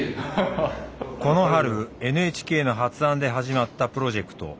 この春ＮＨＫの発案で始まったプロジェクト。